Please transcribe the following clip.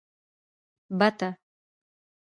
🪿بته